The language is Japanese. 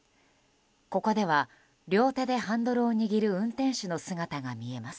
ここでは両手でハンドルを握る運転手の姿が見えます。